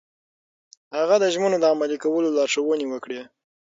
هغه د ژمنو د عملي کولو لارښوونې وکړې.